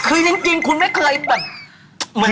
คือจริงคุณไม่เคยแบบ